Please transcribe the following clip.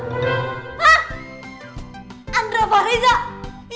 hah andra fahrizat